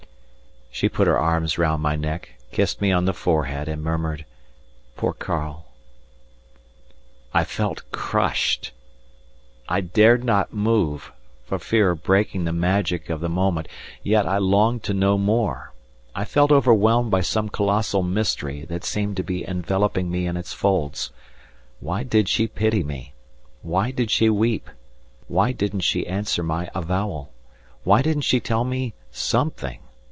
She put her arms round my neck, kissed me on the forehead and murmured, "Poor Karl." I felt crushed; I dared not move for fear of breaking the magic of the moment, yet I longed to know more; I felt overwhelmed by some colossal mystery that seemed to be enveloping me in its folds. Why did she pity me? Why did she weep? Why didn't she answer my avowal? Why didn't she tell me something?